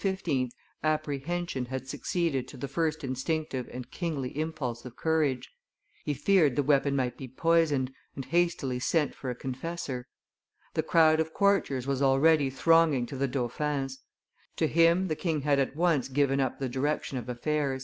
apprehension had succeeded to the first instinctive and kingly impulse of courage; he feared the weapon might be poisoned, and hastily sent for a confessor. The crowd of courtiers was already thronging to the dauphin's. To him the king had at once given up the direction of affairs. [Illustration: Assassination of Louis XV.